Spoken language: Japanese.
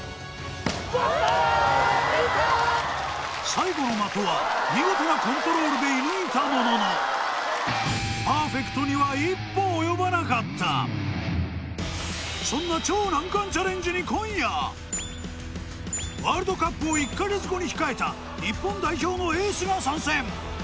最後の的は見事なコントロールで射抜いたもののパーフェクトには一歩及ばなかったそんな超難関チャレンジに今夜ワールドカップを１か月後に控えた日本代表のエースが参戦！